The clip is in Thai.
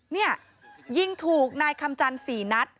นี่ยิงถูกนายคำจันทร์๔นัด